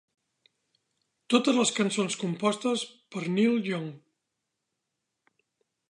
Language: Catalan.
Totes les cançons compostes per Neil Young.